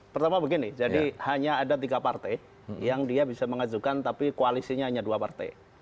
pertama begini jadi hanya ada tiga partai yang dia bisa mengajukan tapi koalisinya hanya dua partai